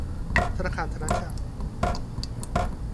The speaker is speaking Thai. ธนาคารธนชาต